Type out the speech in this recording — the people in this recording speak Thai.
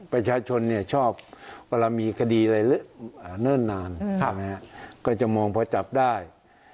ประชาชนชอบเวลามีคดีเจออะไรจะเล่นหนานก็จะมองพอจับได้